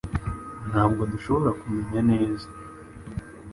Ntabwo dushobora kumenya neza